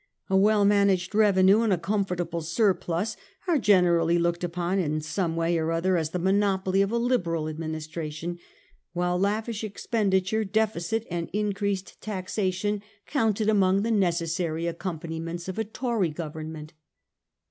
A well managed revenue and a comfortable surplus are generally looked upon as in some way or other the monopoly of a Liberal administration ; while lavish expenditure, deficit and increased taxation are 1841. CLINGING TO OFFICE. 201 counted among the necessary accompaniments of a Tory Government.